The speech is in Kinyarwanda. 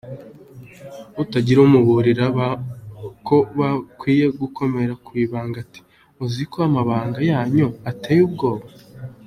Atangira amuburira ko bakwiye gukomera ku ibanga ati “uziko amabanga yanyu ateye ubwoba ?